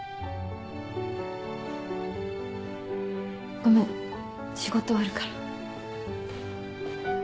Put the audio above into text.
ごめん仕事あるから。